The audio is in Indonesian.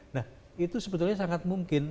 nah itu sebetulnya sangat mungkin